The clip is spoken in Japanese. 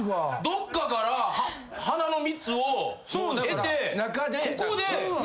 どっかから花の蜜を得てここで。